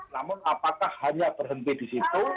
namun apakah hanya berhenti di situ